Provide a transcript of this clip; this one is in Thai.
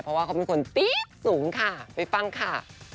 เพราะว่าเขาเป็นคนตี๊ดสูงค่ะไปฟังค่ะ